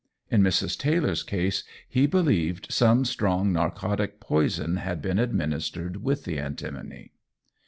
In Mrs. Taylor's case he believed some strong narcotic poison had been administered with the antimony.